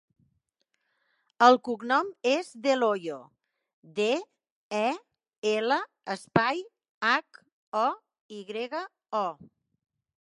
El cognom és Del Hoyo: de, e, ela, espai, hac, o, i grega, o.